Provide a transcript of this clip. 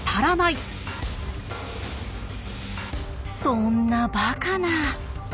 そんなバカな。